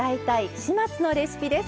始末のレシピ」です。